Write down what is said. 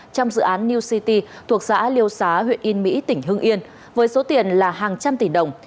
trong dự án new city thuộc xã liêu xá huyện yên mỹ tỉnh hưng yên với số tiền là hàng trăm tỷ đồng